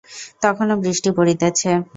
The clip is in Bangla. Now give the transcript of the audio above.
তখনো বৃষ্টি পড়িতেছে।